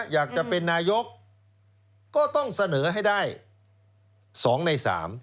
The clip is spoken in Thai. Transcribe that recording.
อยากจะเป็นนายกก็ต้องเสนอให้ได้๒ใน๓